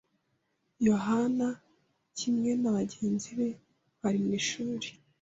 Yohana kimwe na bagenzi be bari mu ishuri